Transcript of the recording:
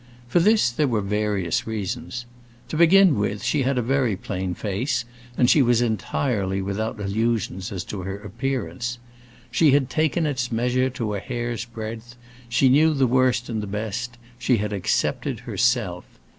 For this there were various reasons. To begin with, she had a very plain face and she was entirely without illusions as to her appearance. She had taken its measure to a hair's breadth, she knew the worst and the best, she had accepted herself.